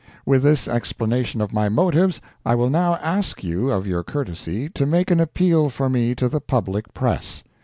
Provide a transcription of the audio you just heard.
With this explanation of my motives, I will now ask you of your courtesy to make an appeal for me to the public press.